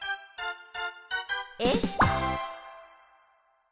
えっ？